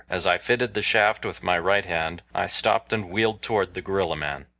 As I fitted the shaft with my right hand I stopped and wheeled toward the gorilla man.